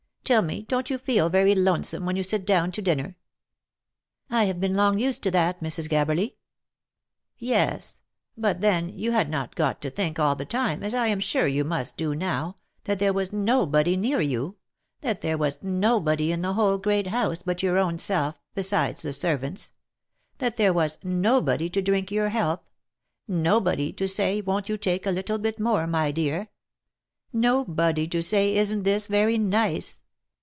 Tell me, don't you feel very lonesome, when you sit down to dinner ?"" I have been long used to that, Mrs. Gabberly." " Yes ; but then you had not got to think all the time, as I am sure you must do now, that there was nobody near you ; that there was nobody in the whole great house but your own self, besides the servants ; that there was nobody to drink your health ; nobody to say won't you take a little bit more, my dear ? Nobody to say isn't this very nice